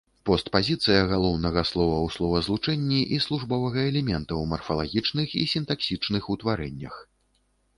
Постпазіцыя галоўнага слова ў словазлучэнні і службовага элемента ў марфалагічных і сінтаксічных утварэннях.